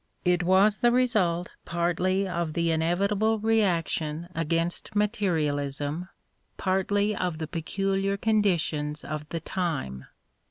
It was the result partly of the inevitable reaction 142 EMERSON against materialism, partly of the peculiar condi tions of the time.